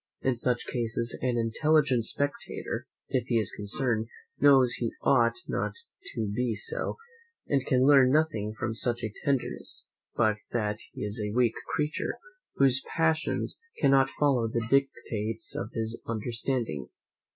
In such cases, an intelligent spectator, if he is concerned, knows he ought not to be so, and can learn nothing from such a tenderness, but that he is a weak creature, whose passions cannot follow the dictates of his understanding.